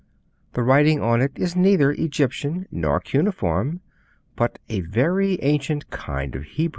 The writing on it is neither Egyptian nor cuneiform, but a very ancient kind of Hebrew.